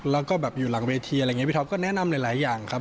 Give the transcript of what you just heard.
และอยู่หลังวงศ์เวทีพี่ท็อปก็แนะนำหลายอย่าง